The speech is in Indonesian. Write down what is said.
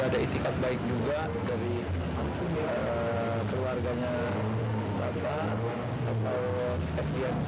di tikat baik juga dari keluarganya safas